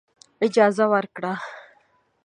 اجازه ورکړه.